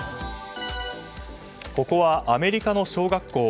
ここはアメリカの小学校。